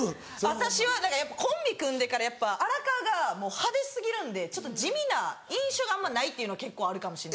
私はコンビ組んでから荒川がもう派手過ぎるんでちょっと地味な印象があんまないっていうの結構あるかもしんないです。